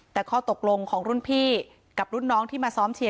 แต่ข้อตกลงของรุ่นพี่กับรุ่นน้องที่มาซ้อมเชียร์